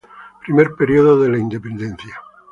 Primer periodo de la independencia.